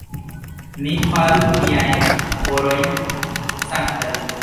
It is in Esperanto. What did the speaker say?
Li faru viajn korojn sanktaj.